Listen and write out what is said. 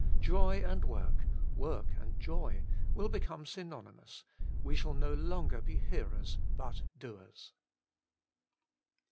Joy and work, work and joy, will become synony mous : we shall no longer be hearers but doers.